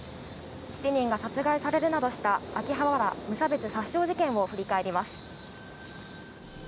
７人が殺害されるなどした秋葉原無差別殺傷事件を振り返ります。